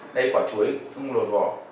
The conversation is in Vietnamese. đây là quả chuối không đột vỏ